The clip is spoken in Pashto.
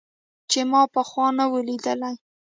چې ما پخوا نه و ليدلى.